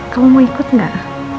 kamu mau ikut nggak